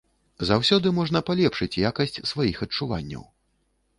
Заўсёды можна палепшыць якасць сваіх адчуванняў.